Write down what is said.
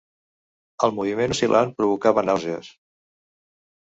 El moviment oscil·lant provocava nàusees.